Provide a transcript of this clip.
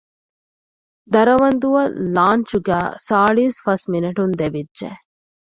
ދަރަވަންދުއަށް ލާންޗުގައި ސާޅީސް ފަސް މިނެޓުން ދެވިއްޖެ